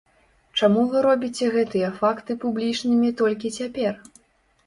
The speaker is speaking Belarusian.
Чаму вы робіце гэтыя факты публічнымі толькі цяпер?